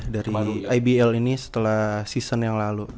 dari ibl ini setelah season yang lalu